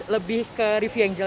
lebih ke review yang jelek